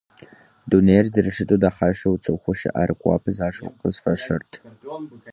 Дунейр зэрыщыту дахащэу, цӀыхуу щыӀэр гуапэ защӀэу къысфӀэщӀырт.